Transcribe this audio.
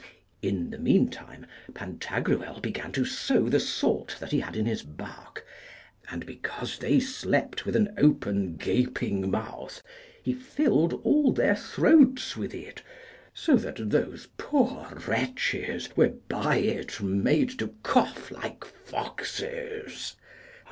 In the meantime Pantagruel began to sow the salt that he had in his bark, and because they slept with an open gaping mouth, he filled all their throats with it, so that those poor wretches were by it made to cough like foxes.